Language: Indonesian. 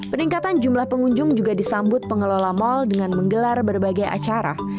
peningkatan jumlah pengunjung juga disambut pengelola mal dengan menggelar berbagai acara